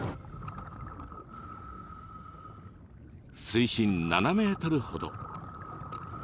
水深７ｍほど。